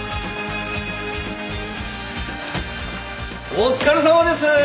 お疲れさまです！